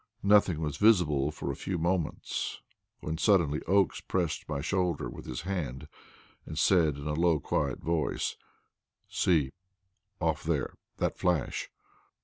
Nothing was visible for a few moments, when suddenly Oakes pressed my shoulder with his hand and said in a low, quiet voice: "See off there, that flash!"